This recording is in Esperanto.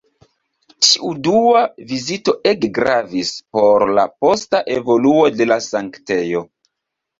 Tiu dua vizito ege gravis por la posta evoluo de la sanktejo.